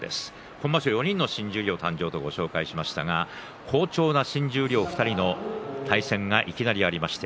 今場所、４人の新十両誕生とご紹介しましたが好調の新十両２人の対戦がいきなりありました。